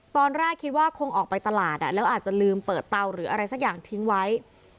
ตอนแรกคิดว่าคงออกไปตลาดแล้วอาจจะลืมเปิดเตาหรืออะไรสักอย่างทิ้งไว้